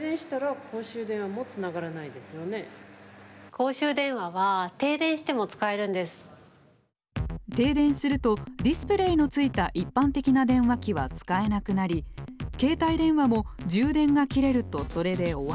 公衆電話は停電するとディスプレーのついた一般的な電話機は使えなくなり携帯電話も充電が切れるとそれで終わり。